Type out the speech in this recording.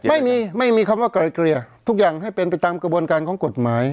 ไม่มีไม่มีคำว่าไกลเกลี่ยทุกอย่างให้เป็นไปตามกระบวนการของกฎหมาย